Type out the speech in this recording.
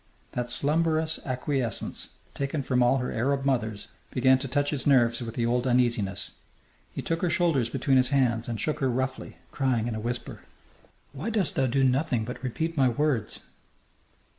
That slumberous acquiescence, taken from all her Arab mothers, began to touch his nerves with the old uneasiness. He took her shoulders between his hands and shook her roughly, crying in a whisper: "Why dost thou do nothing but repeat my words?